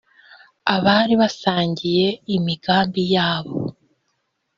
abari basangiye imigambi yabo